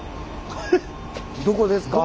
どこですか？